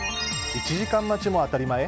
１時間待ちも当たり前？